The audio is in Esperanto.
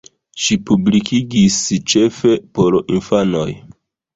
Ŝi publikigis ĉefe por infanoj.